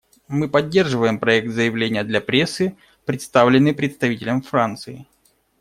Мы поддерживаем проект заявления для прессы, представленный представителем Франции.